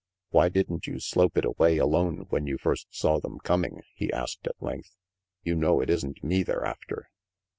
"Why didn't you slope it away alone when you first saw them coming?" he asked at length. "You know it isn't me they're after."